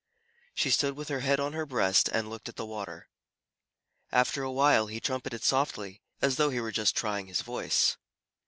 She stood with her head on her breast and looked at the water. After a while, he trumpeted softly, as though he were just trying his voice.